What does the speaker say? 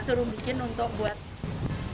baru bikin untuk buat kayak gitu